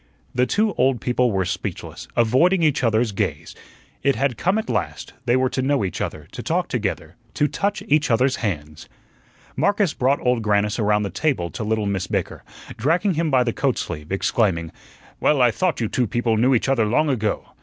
The two old people were speechless, avoiding each other's gaze. It had come at last; they were to know each other, to talk together, to touch each other's hands. Marcus brought Old Grannis around the table to little Miss Baker, dragging him by the coat sleeve, exclaiming: "Well, I thought you two people knew each other long ago.